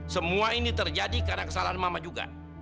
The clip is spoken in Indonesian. semua ini terjadi karena kesalahan mama juga